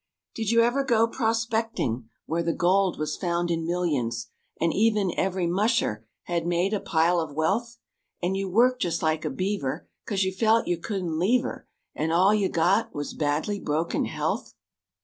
Did you ever go prospecting Where the gold was found in millions, And even every musher Had made a pile of wealth? And you worked just like a beaver Cause you felt you couldn't leave 'er, And all you got was badly broken health?